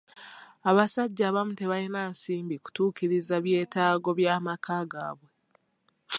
Abasajja abamu tebalina nsimbi kutuukiriza byetaago bya maka gaabwe.